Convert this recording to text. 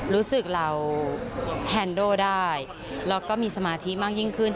รู้สึกเราแฮนโดได้แล้วก็มีสมาธิมากยิ่งขึ้น